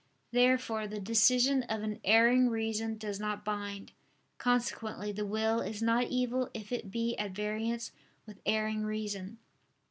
Therefore the decision of an erring reason does not bind. Consequently the will is not evil if it be at variance with erring reason.